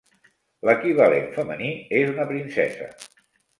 L'equivalent femení és una princesa.